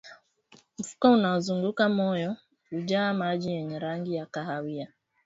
Mfuko unaozunguka moyo kujaa maji yenye rangi ya kahawia